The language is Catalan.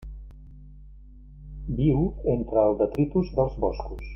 Viu entre el detritus dels boscos.